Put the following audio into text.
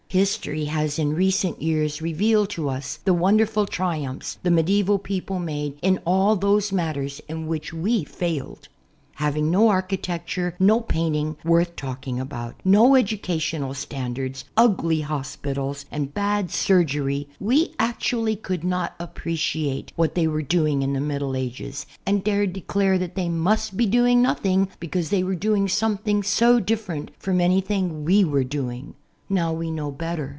History has in recent years revealed to us the wonderful triumphs the medieval j)eople made in all those matters in which we failed. Having no architecture, no painting worth while talking about, no educcitional standards, ugly hospitals and bad surgery, we actually could not appreciate w^hat they were doing in the Middle Ages and dared de clare that they must be doing nothing because they were doing something so diflferent from anything that we were SECOND HAND HISTORY 21 doing. Now we know better.